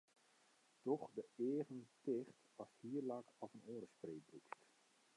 Doch de eagen ticht ast hierlak of in oare spray brûkst.